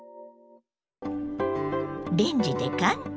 レンジで簡単！